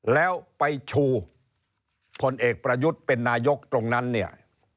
แล้วไปชูพลเอกประยุทธ์เป็นนายกตรงนั้นเนี่ย